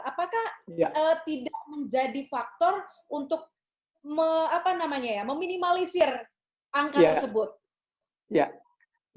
apakah tidak menjadi faktor untuk meminimalisir angka tersebut